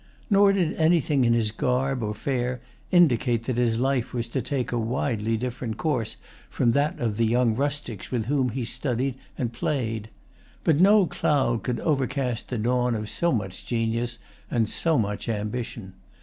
Nor did anything in his garb or fare indicate that his life was to take a widely different course from that of the young rustics with whom he studied and played. But no cloud could overcast the dawn of so much genius and so much ambition.